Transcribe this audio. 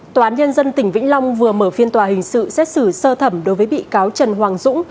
tòa án nhân dân tỉnh vĩnh long vừa mở phiên tòa hình sự xét xử sơ thẩm đối với bị cáo trần hoàng dũng